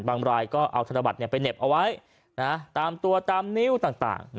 บางรายก็เอาธนบัตรไปเหน็บเอาไว้ตามตัวตามนิ้วต่าง